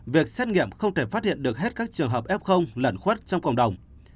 việc xét nghiệm không thể phát hiện được hết các trường hợp f lẩn khuất trong cộng đồng